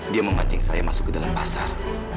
dia memancing saya masuk ke dalam pasar